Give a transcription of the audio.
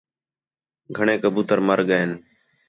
گھݨیں کبوتر مَر ڳئین